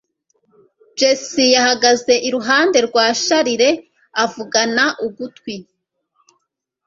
Jessie yahagaze iruhande rwa Charles avugana ugutwi.